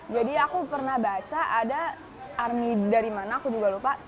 jadi aku pernah baca ada army dari mana aku juga lupa